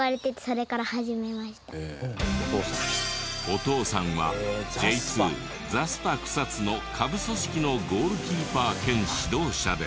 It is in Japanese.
お父さんはＪ２ザスパクサツの下部組織のゴールキーパー兼指導者で。